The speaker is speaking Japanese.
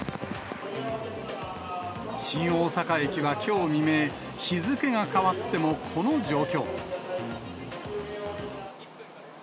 新大阪駅はきょう未明、日付が変わってもこの状況。